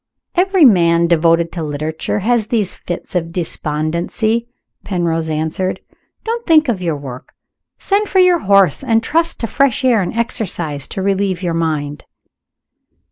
"Every man devoted to literature has these fits of despondency," Penrose answered. "Don't think of your work. Send for your horse, and trust to fresh air and exercise to relieve your mind."